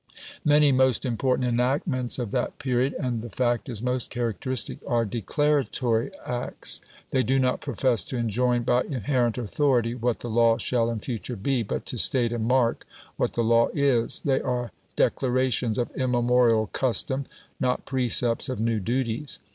Many most important enactments of that period (and the fact is most characteristic) are declaratory acts. They do not profess to enjoin by inherent authority what the law shall in future be, but to state and mark what the law is; they are declarations of immemorial custom, not precepts of new duties.